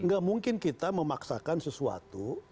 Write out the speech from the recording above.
gak mungkin kita memaksakan sesuatu